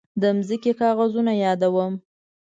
د ځمکې کاغذونه يادوم.